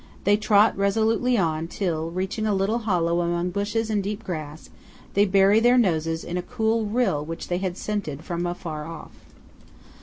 They trot resolutely on, till, reaching a little hollow among bushes and deep grass, they bury their noses in a cool rill which they had scented from afar off.